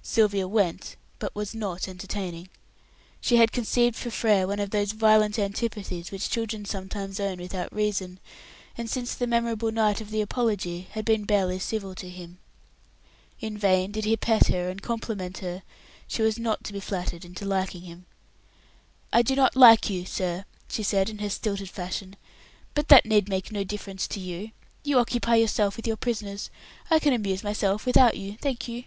Sylvia went, but was not entertaining. She had conceived for Frere one of those violent antipathies which children sometimes own without reason, and since the memorable night of the apology had been barely civil to him. In vain did he pet her and compliment her, she was not to be flattered into liking him. "I do not like you, sir," she said in her stilted fashion, "but that need make no difference to you. You occupy yourself with your prisoners; I can amuse myself without you, thank you."